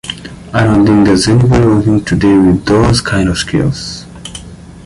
I don't think there's anybody working today with those kinds of skills.